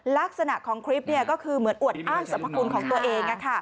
ลักษณะของคลิปก็คือเหมือนอวดอ้างสรรพคุณของตัวเอง